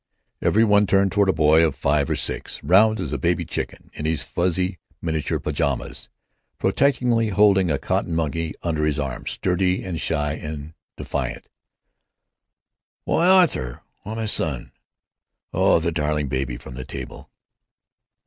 Every one turned toward a boy of five or six, round as a baby chicken, in his fuzzy miniature pajamas, protectingly holding a cotton monkey under his arm, sturdy and shy and defiant. "Why, Arthur!" "Why, my son!" "Oh, the darling baby!" from the table.